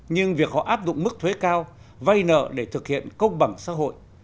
nhưng việc họ áp dụng mức thuế cao vay nợ để thực hiện công bằng xã hội